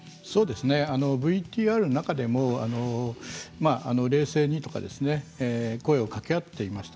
ＶＴＲの中でも冷静に！とか声をかけ合っていました。